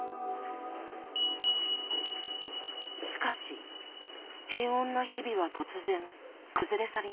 しかし平穏な日々は突然崩れ去りました。